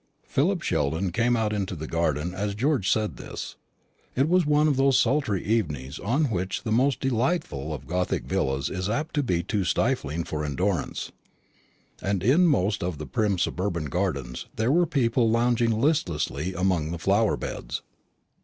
Philip Sheldon came out into the garden as George said this, It was one of those sultry evenings on which the most delightful of gothic villas is apt to be too stifling for endurance; and in most of the prim suburban gardens there were people lounging listlessly among the flower beds.